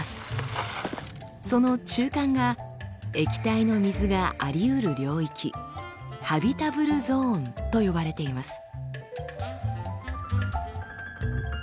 その中間が液体の水がありうる領域「ハビタブルゾーン」と呼ばれています。